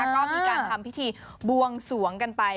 ก็มีการทำพิธีบวงสวงกันไป